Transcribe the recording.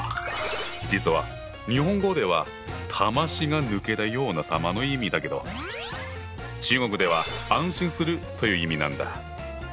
実は日本語では魂が抜けたような様の意味だけど中国では「安心する」という意味なんだ。